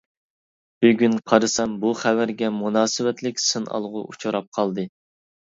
بۈگۈن قارىسام، بۇ خەۋەرگە مۇناسىۋەتلىك سىنئالغۇ ئۇچراپ قالدى.